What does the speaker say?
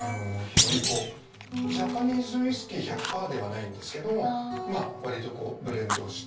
ジャパニーズウイスキー１００％ではないんですけどもまあわりとこうブレンドして。